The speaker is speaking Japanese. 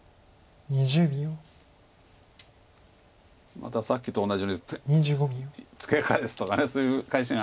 またさっきと同じようにツケ返すとかそういう返しが。